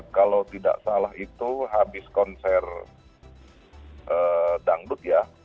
kalau tidak salah itu habis konser dangdut ya